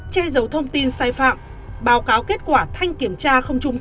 che giấu thông tin sai phạm báo cáo kết quả thanh kiểm tra không trả chậm